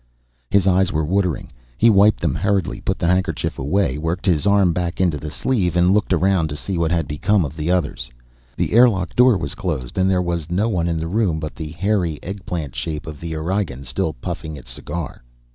His eyes were watering. He wiped them hurriedly, put the handkerchief away, worked his arm back into the sleeve, and looked around to see what had become of the others. The airlock door was closed, and there was no one in the room but the hairy eggplant shape of the Aurigean, still puffing its cigar.